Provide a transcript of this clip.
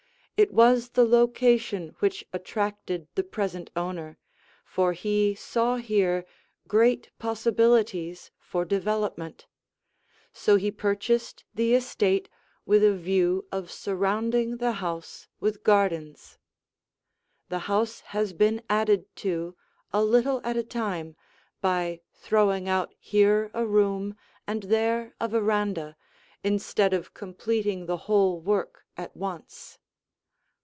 It was the location which attracted the present owner, for he saw here great possibilities for development; so he purchased the estate with a view of surrounding the house with gardens. [Illustration: Before Remodeling] The house has been added to, a little at a time, by throwing out here a room and there a veranda, instead of completing the whole work at once.